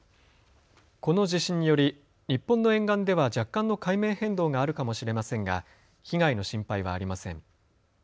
この地震により日本の沿岸では若干の海面変動があるかもしれませんが被害の心配はありません。